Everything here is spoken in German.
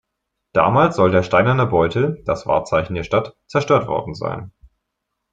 Damals soll der Steinerne Beutel, das Wahrzeichen der Stadt, zerstört worden sein.